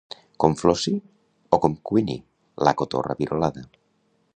Com Flossie, o com Queenie, la cotorra virolada.